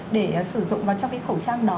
để sử dụng vào trong cái khẩu trang đó